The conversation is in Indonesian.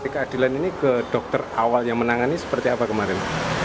keadilan ini ke dokter awal yang menangani seperti apa kemarin